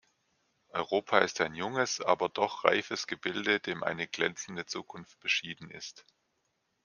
Europa ist ein junges, aber doch reifes Gebilde, dem eine glänzende Zukunft beschieden ist.